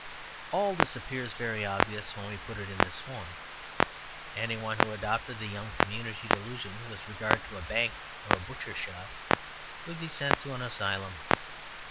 All this appears very obvious when we put it in this form. Any one who adopted the young community delusion with regard to a bank or a butcher's shop would be sent to an asylum.